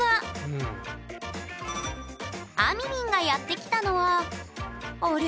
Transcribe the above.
あみみんがやって来たのはあれ？